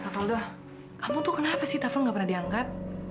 kavaldo kamu tuh kenapa sih telfon gak pernah diangkat